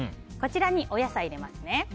こちらにお野菜を入れますね。